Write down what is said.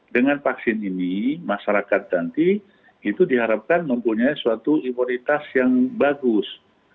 dengan vaksin ini masyarakat nanti itu diharapkan mempunyai suatu imunitas yang bagus